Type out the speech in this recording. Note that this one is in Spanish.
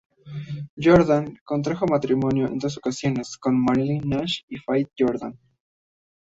Yordan contrajo matrimonio en dos ocasiones, con Marilyn Nash y con Faith Yordan.